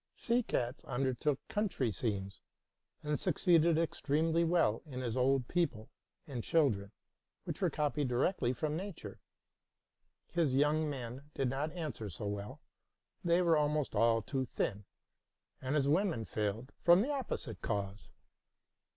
Seekatz undertook country scenes, and succeeded extremely well in his old people and children, which were copied directly from nature. His young men did not answer so well, — they were almost all too thin ; and his women failed from the opposite cause.